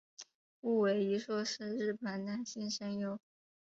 矢尾一树是日本男性声优。